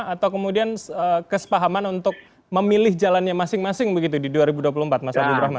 atau kemudian kesepahaman untuk memilih jalannya masing masing begitu di dua ribu dua puluh empat mas abdul rahman